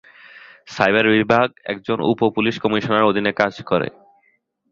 Cyber বিভাগ একজন উপ পুলিশ কমিশনারের অধীনে কাজ করে।